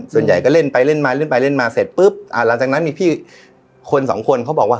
ส่วนใหญ่ก็เล่นไปเล่นมาเล่นไปเล่นมาเสร็จปุ๊บอ่าหลังจากนั้นมีพี่คนสองคนเขาบอกว่า